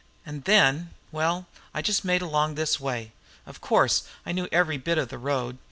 And then well, I just made along this way. Of course, I knew every bit of the road.